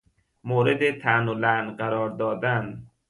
مورد طعن و لعن قرار دادن